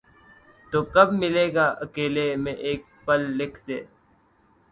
تو کب ملے گا اکیلے میں ایک پل لکھ دے